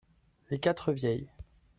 Les quatre vieilles.